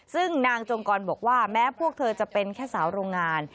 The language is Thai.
ซึ่งนางจงกรบอกว่าแม้พวกเธอจะเป็นแค่สาวโรงงาน